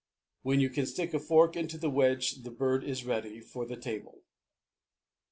When you can stick a fork into the wedge the bird is ready for the table.